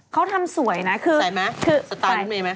เขาทำสวยนะคือใส่ไหมสไตล์ลดเมล์ไหม